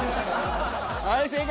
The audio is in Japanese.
はい正解！